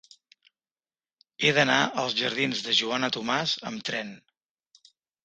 He d'anar als jardins de Joana Tomàs amb tren.